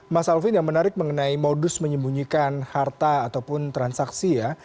mas alvin yang menarik mengenai modus menyembunyikan harta ataupun transaksi ya